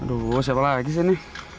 aduh siapa lagi sih ini